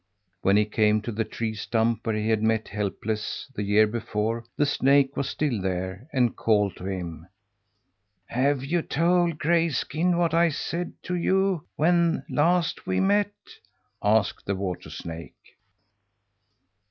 When he came to the tree stump where he had met Helpless the year before, the snake was still there, and called to him: "Have you told Grayskin what I said to you when last we met?" asked the water snake.